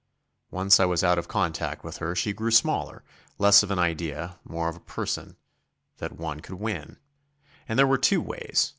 Once I was out of contact with her she grew smaller, less of an idea, more of a person that one could win. And there were two ways.